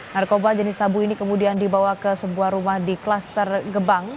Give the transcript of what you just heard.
narkoba jenis sabu ini kemudian dibawa ke sebuah rumah di klaster gebang